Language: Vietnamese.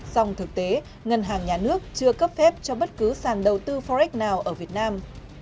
song thực tế ngân hàng nhà nước chưa cấp phép cho bất cứ sàn đầu tư forex nào ở việt nam